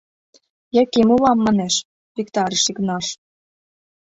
— Яким улам, манеш, — виктарыш Игнаш.